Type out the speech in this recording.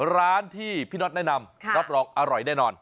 ร้านที่พี่น็อตแนะนำรับรองอร่อยแน่นอน